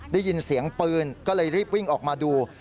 ได้ยินเสียงปืนก็เลยรีบวิ่งออกมาดู